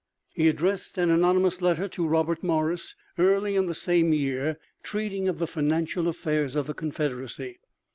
He addressed an anonymous letter to Robert Morris early in the same year, treating of the financial affairs of the confederacy.